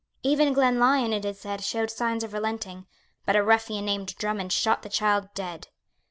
Even Glenlyon, it is said, showed signs of relenting; but a ruffian named Drummond shot the child dead.